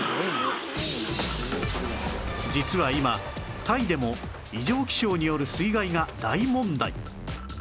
実は今タイでも異常気象による水害が大問題